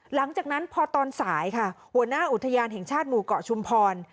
หลังจากนั้นพอตอนสายค่ะหัวหน้าอุทยานแห่งชาติหมู่เกาะชุมพร